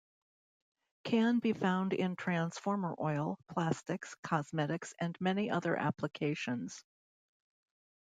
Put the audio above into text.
Can be found in transformer oil, plastics, cosmetics, and many other applications.